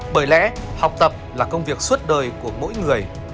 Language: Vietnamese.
bởi lẽ học tập là công việc suốt đời của mỗi người